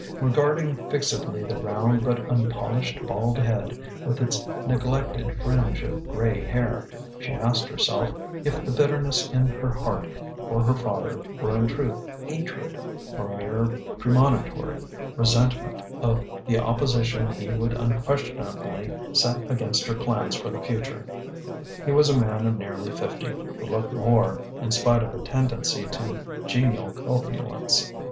Regarding fixedly the round but unpolished bald head with its neglected fringe of grey hair, she asked herself if the bitterness in her heart for her father were in truth hatred or mere premonitory resentment of the opposition he would unquestionably set against her plans for the future.... He was a man of nearly fifty, who looked more, in spite of a tendency to genial corpulence.